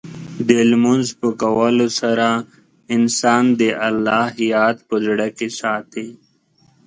د لمونځ په کولو سره، انسان د الله یاد په زړه کې ساتي.